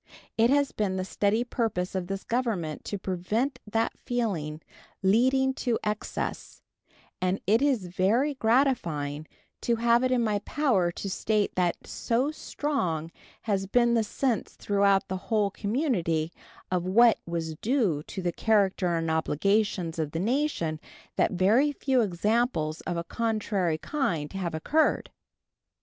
It has been the steady purpose of this Government to prevent that feeling leading to excess, and it is very gratifying to have it in my power to state that so strong has been the sense throughout the whole community of what was due to the character and obligations of the nation that very few examples of a contrary kind have occurred.